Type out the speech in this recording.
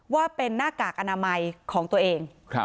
ว่าเป็นหน้ากากอนามัยของตัวเอง